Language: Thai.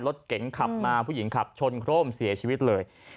รถเก๋งขับมาผู้หญิงขับชนโครมเสียชีวิตเลย